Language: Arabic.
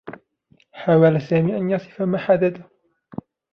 حاول سامي أن يصف ما حدث.